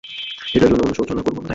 এটার জন্য অনুশোচনা করব না, তাই না?